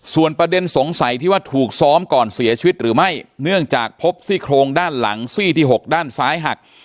ส่วนประเด็นสงสัยที่ว่าถูกซ้อมก่อนเสียชีวิตหรือไม่เนื่องจากพบซี่โครงด้านหลังซี่ที่หกด้านซ้ายหัก